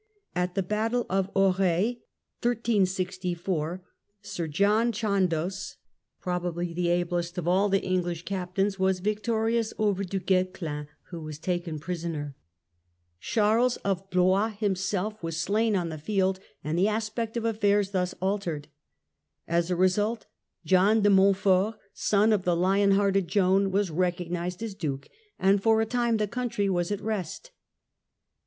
At the Battle of Aurai, Sir John Chandos, ^^|:° '{3^4 152 THE END OF THE MIDDLE AGE probably the ablest of all the English captains, was vic torious over Dii Guesclin who was taken prisoner ; Charles of Blois himself was slain on the field, and the aspect of affairs thus altered. As a result, John de Mont fort, son of the lion hearted Joan, was recognised as Duke, and for a time the country was at rest.